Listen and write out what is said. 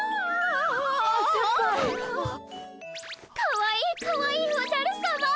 かわいいかわいいおじゃるさま。